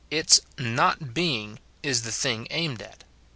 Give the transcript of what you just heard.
Its nut heing is the thing aimed at.